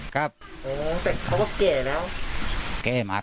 แต่เขาก็แก่แล้ว